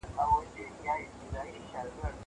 درسونه د ښوونکو له خوا ښوول کيږي!